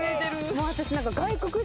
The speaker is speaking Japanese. もう私。